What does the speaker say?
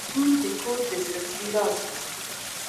• لور د کور د زړسوي راز وي.